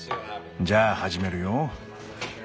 じゃあ始めるよ。